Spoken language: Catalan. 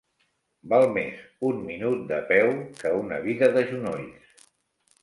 Val més un minut de peu que una vida de genolls.